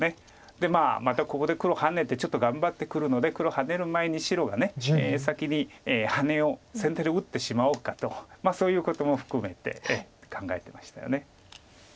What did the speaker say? またここで黒ハネてちょっと頑張ってくるので黒ハネる前に白が先にハネを先手で打ってしまおうかとそういうことも含めて考えてましたよね。